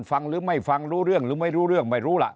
ฟังหรือไม่ฟังรู้เรื่องหรือไม่รู้เรื่องไม่รู้ล่ะ